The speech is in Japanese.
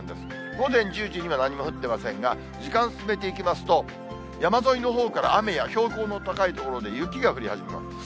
午前１０時には何も降ってませんが、時間進めていきますと、山沿いのほうから雨や標高の高い所で雪が降り始めます。